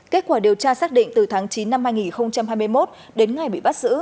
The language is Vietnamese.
kết quả điều tra xác định từ tháng chín năm hai nghìn hai mươi một đến ngày bị bắt giữ